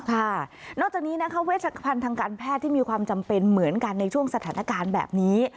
นอกจากนี้นะคะเวชพันธ์ทางการแพทย์ที่มีความจำเป็นเหมือนกันในช่วงสถานการณ์แบบนี้